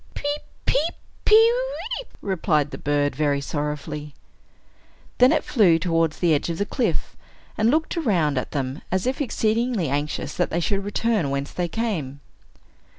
"Peep, peep, pe weep!" replied the bird, very sorrowfully. Then it flew towards the edge of the cliff, and looked around at them, as if exceedingly anxious that they should return whence they came.